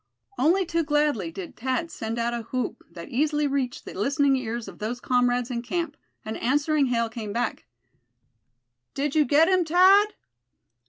Only too gladly did Thad send out a whoop that easily reached the listening ears of those comrades in camp. An answering hail came back. "Did you get him, Thad?"